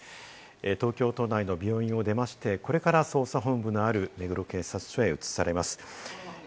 東京都内の病院を出まして、これから捜査本部のある目黒警察署へ移されます。